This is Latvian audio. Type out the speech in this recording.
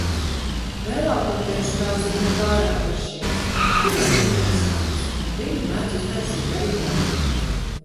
Lielākoties tās ir ne pārāk garšīgas, tomēr interesentas, un viņa mēdz uztaisīt arī man.